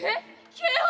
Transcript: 警報。